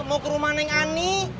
mau ke rumah neng ani